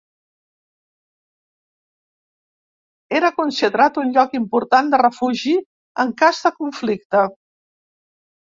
Era considerat un lloc important de refugi en cas de conflicte.